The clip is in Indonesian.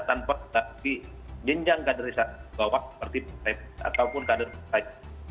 tanpa dijenjang kandaritasi partai